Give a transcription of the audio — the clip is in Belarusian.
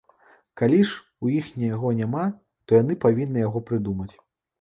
Калі ж у іх яго няма, то яны павінны яго прыдумаць!